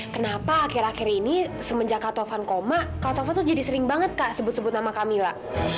kenapa akhir akhir ini semenjak kak tovan koma kak taufan tuh jadi sering banget kak sebut sebut nama camilla